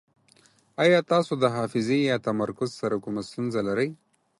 ایا تاسو د حافظې یا تمرکز سره کومه ستونزه لرئ؟